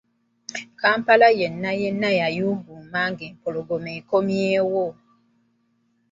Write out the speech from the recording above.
Kampala yenna yenna n’ayuuguuma nga Empologoma ekomyewo..